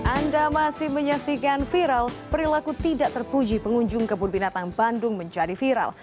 anda masih menyaksikan viral perilaku tidak terpuji pengunjung kebun binatang bandung menjadi viral